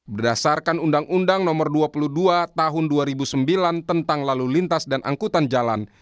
berdasarkan undang undang nomor dua puluh dua tahun dua ribu sembilan tentang lalu lintas dan angkutan jalan